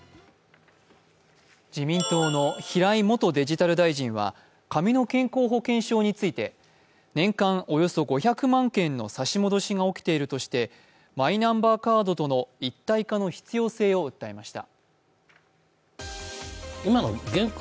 自民党の平井元デジタル大臣は紙の健康保険証について年間およそ５００万件の差し戻しが起きているとしてマイナンバーカードとの一体化の必要性を訴えました。